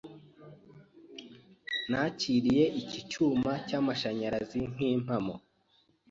Nakiriye iki cyuma cyamashanyarazi nkimpano.